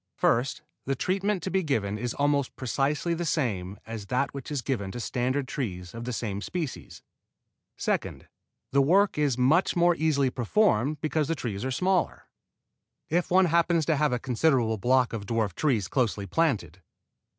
First, the treatment to be given is almost precisely the same as that which is given to standard trees of the same species; second, the work is much more easily performed because the trees are smaller. If one happens to have a considerable block of dwarf trees closely planted.